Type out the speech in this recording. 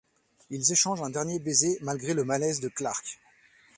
Ils échangent un dernier baiser malgré le malaise de Clark.